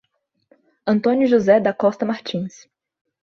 Antônio José da Costa Martins